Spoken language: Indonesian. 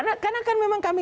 karena kan memang kami